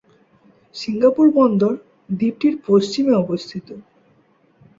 Singapore বন্দর দ্বীপটির পশ্চিমে অবস্থিত।